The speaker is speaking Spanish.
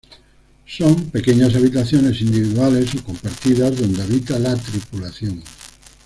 Son pequeñas habitaciones individuales o compartidas donde habita la tripulación.